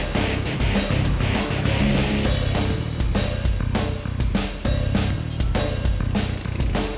sekarang kembali pak